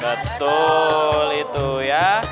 betul itu ya